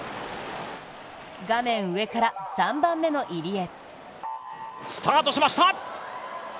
画面上から３番目の入江。